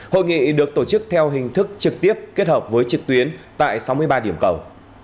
hội nghị được tổ chức theo hình thức trực tiếp kết hợp với trực tuyến tại sáu mươi ba điểm cầu